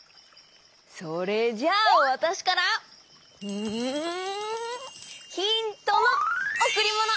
それじゃあわたしからうんヒントのおくりもの！